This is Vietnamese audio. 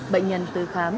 bệnh nhân từ khám